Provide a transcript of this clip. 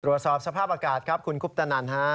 ตรวจสอบสภาพอากาศครับคุณคุปตนันฮะ